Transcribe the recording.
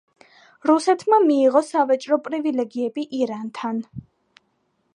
რუსეთმა მიიღო სავაჭრო პრივილეგიები ირანთან.